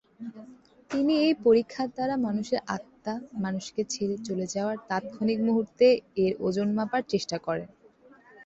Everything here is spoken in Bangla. তিনি এই পরীক্ষার দ্বারা মানুষের আত্মা মানুষকে ছেড়ে চলে যাওয়ার তাৎক্ষণিক মুহুর্তে এর ওজন মাপার চেষ্টা করেন।